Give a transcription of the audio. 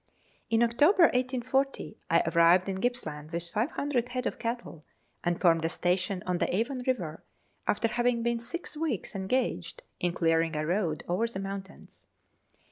In October 1840 I arrived in Gippsland with 500 head of cattle, and formed a station on the Avon River, after having been six weeks engaged in clearing a road over the mountains.